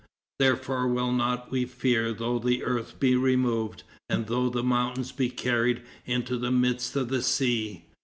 Therefore will not we fear though the earth be removed, and though the mountains be carried into the midst of the sea."